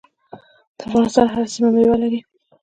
د افغانستان هره سیمه میوه لري.